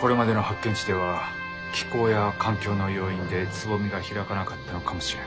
これまでの発見地では気候や環境の要因で蕾が開かなかったのかもしれん。